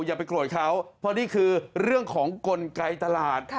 อย่าไปโกรธเขาเพราะนี่คือเรื่องของกลไกตลาด